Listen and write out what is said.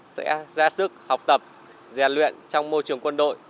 sẽ ra sức học tập rèn luyện trong môi trường quân đội